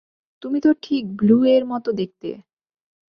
তুমি তো ঠিক ব্লুয়ের মতো দেখতে।